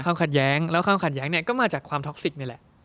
ความขัดแย้งแล้วความขัดแย้งเนี่ยก็มาจากความท็อกซิกนี่แหละ